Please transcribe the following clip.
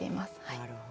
なるほど。